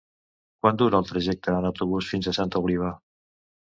Quant dura el trajecte en autobús fins a Santa Oliva?